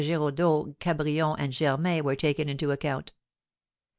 Giraudeau, Cabrion, and Germain were taken into account.